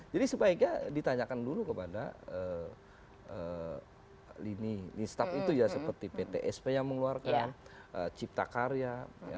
jadi sebaiknya ditanyakan dulu kepada lini setap itu seperti ptsp yang mengeluarkan cipta karya